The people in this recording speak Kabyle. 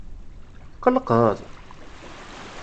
Tqelqeḍ?